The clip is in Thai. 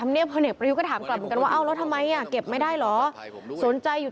มันเป็นหน้าที่มันเป็นหน้าที่